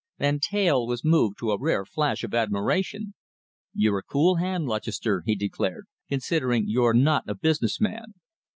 Van Teyl was moved to a rare flash of admiration. "You're a cool hand, Lutchester," he declared, "considering you're not a business man."